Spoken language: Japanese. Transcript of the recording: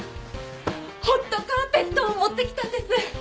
ホットカーペットを持ってきたんです！